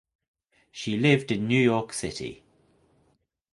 She lived in New York City.